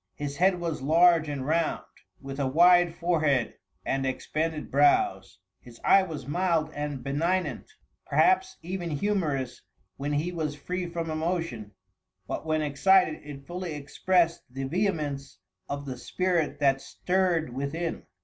His head was large and round, with a wide forehead and expanded brows. His eye was mild and benignant, perhaps even humorous when he was free from emotion, but when excited it fully expressed the vehemence of the spirit that stirred within."